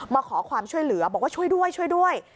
มาขอความช่วยเหลือบอกว่าช่วยด้วยช่วยด้วย